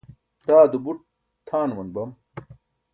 daado buṭ tʰaanuman bam